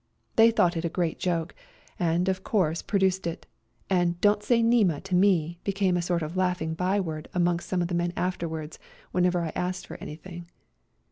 They thought it a great joke, and of course produced it, and " Don't say ' Nema ' to me " became a sort of laughing byword amongst some of the men afterwards when ever I asked for anything.